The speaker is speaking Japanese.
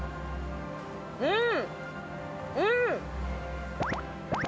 うん！